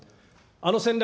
あの戦略